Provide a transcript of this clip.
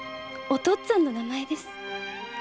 お父っつぁんの名前です。